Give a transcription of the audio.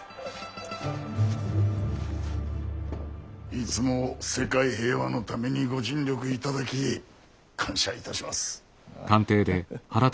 いつも世界平和のためにご尽力いただき感謝いたします。